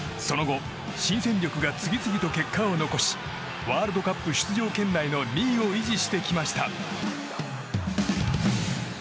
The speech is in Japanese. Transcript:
その後、新戦力が次々と結果を残しワールドカップ出場圏内の２位を維持してきました。